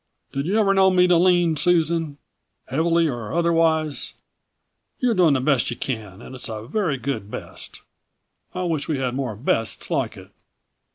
Did you ever know me to lean, Susan heavily or otherwise? You're doing the best you can and it's a very good 'best.' I wish we had more 'bests' like it."